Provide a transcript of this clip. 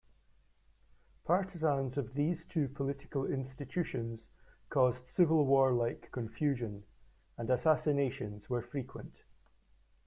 Partisans of these two political institutions caused civil war-like confusion, and assassinations were frequent.